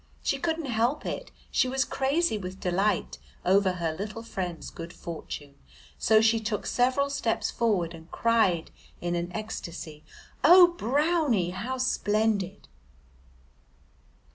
She couldn't help it. She was crazy with delight over her little friend's good fortune, so she took several steps forward and cried in an ecstasy, "Oh, Brownie, how splendid!"